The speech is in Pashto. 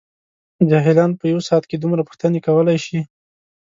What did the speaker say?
جاهلان په یوه ساعت کې دومره پوښتنې کولای شي.